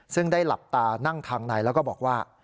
ซึ่งได้หลับตานั่งทางในแล้วก็บอกว่า